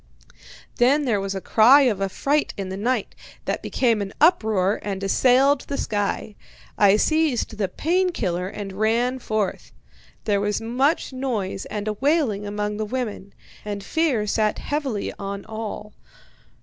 Then there was a cry of affright in the night, that became an uproar and assailed the sky. I seized the 'pain killer' and ran forth. There was much noise, and a wailing among the women, and fear sat heavily on all.